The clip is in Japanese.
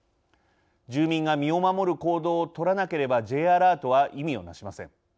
住民が身を守る行動を取らなければＪアラートは意味を成しません。